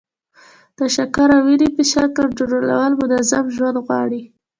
د شکر او وینې فشار کنټرول منظم ژوند غواړي.